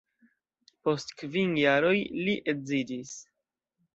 Post kvin jaroj li edziĝis.